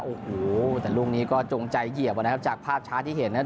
โอ้โหแต่ลูกนี้ก็จงใจเหยียบนะครับจากภาพช้าที่เห็นนั้น